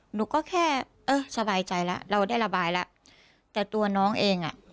หนูก็แค่เออสบายใจแล้วเราได้ระบายแล้วแต่ตัวน้องเองอ่ะ